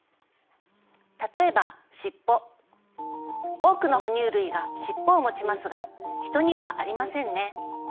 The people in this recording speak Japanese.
多くの哺乳類が尻尾をもちますがヒトにはありませんね。